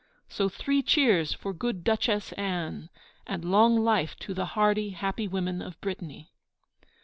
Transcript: So three cheers for good Duchesse Anne, and long life to the hardy, happy women of Brittany!